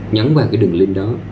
nhấn vào cái đường link đó